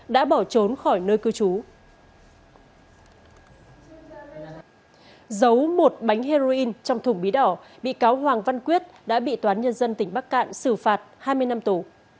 đấu một bánh heroin trong thùng bí đỏ bị cáo hoàng văn quyết đã bị toán nhân dân tỉnh bắc cạn xử phạt hai mươi năm tù